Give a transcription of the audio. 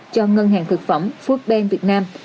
cho ngân hàng thực phẩm foodbank việt nam